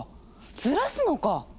ずらすのか！